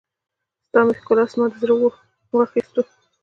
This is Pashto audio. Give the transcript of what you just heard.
ستا مې ښکلا، زما دې زړه واخيستو